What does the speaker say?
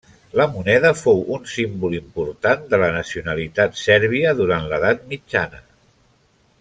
La moneda fou un símbol important de la nacionalitat sèrbia durant l'edat mitjana.